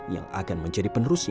yang akan menjadikan kembali ke dunia